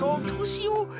どうしよう？